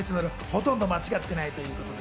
ほとんど間違ってないという。